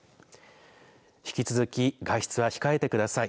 引き続き外出は控えてください。